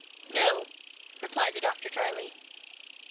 " No," replied the doctor drily.